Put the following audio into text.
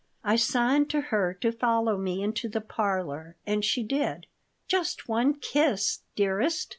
I signed to her to follow me into the parlor, and she did. "Just one kiss, dearest!"